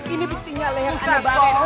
ini buktinya leher ana baru